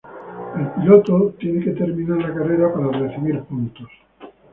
El piloto tiene que terminar la carrera para recibir puntos.